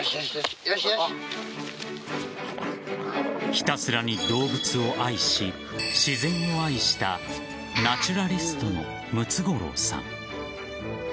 ひたすらに動物を愛し自然を愛したナチュラリストのムツゴロウさん。